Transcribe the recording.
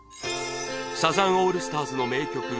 サザンオールスターズの名曲